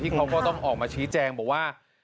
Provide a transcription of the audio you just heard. เขาก็ต้องออกมาชี้แจงบอกว่า